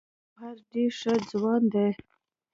ګوهر ډې ښۀ ځوان دی